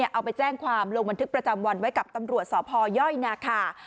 เอาไปแจ้งความลงบันทึกประจำวันไว้กับตำรวจสพยนาคา